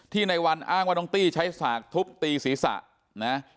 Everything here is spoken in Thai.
ในวันอ้างว่าน้องตี้ใช้สากทุบตีศีรษะนะ